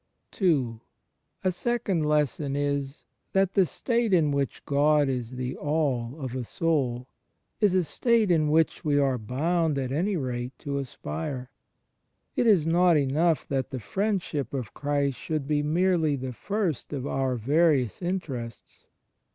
(ii) A second lesson is, that the state in which God is the All of a soul, is a state to which we are boimd at any rate to aspire. It is not enough that the Friendship of Christ shoidd be merely the first of our various CHRIST IN HIS HISTORICAL LIFE 137 interests.